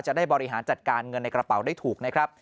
จะได้บริหารจัดการเงินในกระเป๋าได้ถูกนะครับ